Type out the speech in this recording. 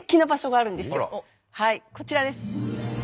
こちらです。